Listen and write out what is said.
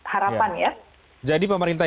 harapan ya jadi pemerintah